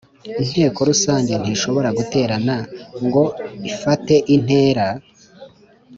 Inteko rusange ntishobora guterana ngo ifateintera